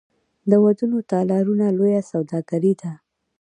د ودونو تالارونه لویه سوداګري ده